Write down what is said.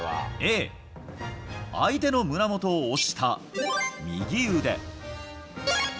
Ａ、相手の胸元を押した右腕。